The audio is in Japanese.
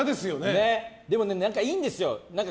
でも何かいいんですよ。